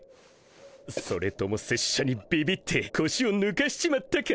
それとも拙者にビビってこしをぬかしちまったか？